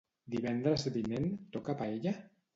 Divendres vinent toca paella?